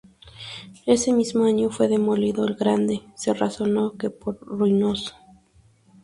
Ese mismo año fue demolido el grande; se razonó que por ruinoso.